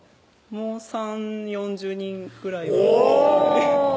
もう３０４０人ぐらいはおぉ！